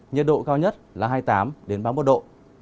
nhiệt độ cao nhất là hai mươi tám ba mươi một độ